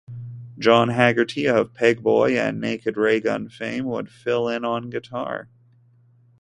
John Haggerty of Pegboy and Naked Raygun fame would fill in on guitar.